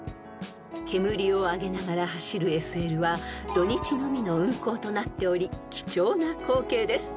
［煙を上げながら走るＳＬは土日のみの運行となっており貴重な光景です］